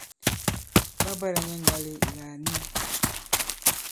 Ɓa bwɛla nyɛ ŋgale ìla à niw.